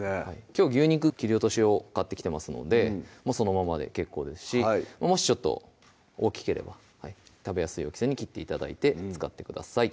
きょう牛肉切り落としを買ってきてますのでそのままで結構ですしもしちょっと大きければ食べやすい大きさに切って頂いて使ってください